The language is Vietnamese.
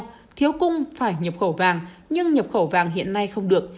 tiếp theo thiếu cung phải nhập khẩu vàng nhưng nhập khẩu vàng hiện nay không được